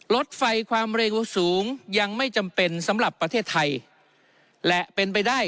รถไฟความเร็วสูงยังไม่จำเป็นสำหรับประเทศไทยและเป็นไปได้